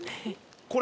これ。